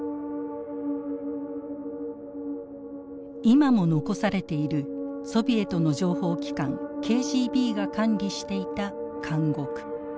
今も残されているソビエトの情報機関ＫＧＢが管理していた監獄。